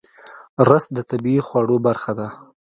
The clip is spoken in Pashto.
رس د طبیعي خواړو برخه ده